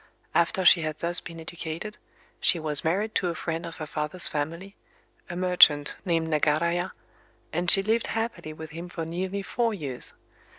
After she had thus been educated, she was married to a friend of her father's family—a merchant named Nagaraya;—and she lived happily with him for nearly four years.